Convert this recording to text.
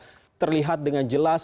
apakah memang sudah terlihat dengan jelas